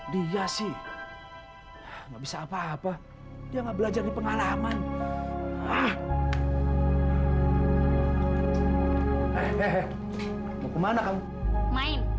dia sih nggak bisa apa apa dia nggak belajar di pengalaman ah mau kemana kamu main